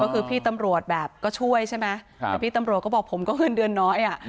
ก็คือพี่ตำรวจแบบก็ช่วยใช่ไหมแต่พี่ตำรวจก็บอกผมก็เงินเดือนน้อยอ่ะ